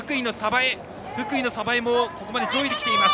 福井の鯖江もここまで上位で来ています。